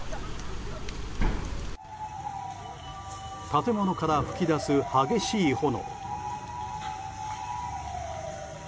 建物から噴き出す激しい炎。